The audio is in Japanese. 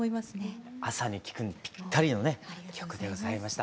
朝に聴くのにぴったりのね曲でございました。